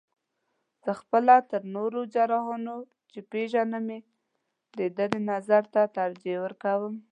زه خپله تر نورو جراحانو، چې پېژنم یې د ده نظر ته ترجیح ورکوم.